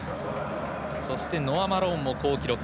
そして、ノア・マローンも好記録。